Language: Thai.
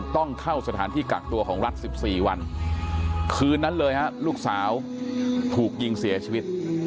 ต้องเข้าสถานที่กักตัวของรัฐ๑๔วันคืนนั้นเลยฮะลูกสาวถูกยิงเสียชีวิต